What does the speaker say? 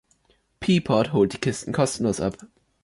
Peapod holt die Kisten kostenlos ab.